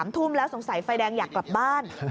ทุ่มแล้วสงสัยไฟแดงอยากกลับบ้าน